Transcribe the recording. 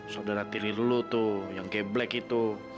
saudara tirir lo tuh yang kayak black itu